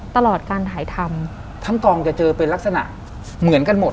ตลอดการถ่ายทำทั้งกองจะเจอเป็นลักษณะเหมือนกันหมด